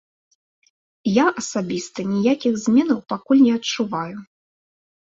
Я асабіста ніякіх зменаў пакуль не адчуваю.